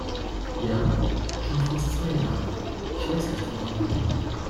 Ja, schon fast zwei Jahre. Ich weiß nicht woher.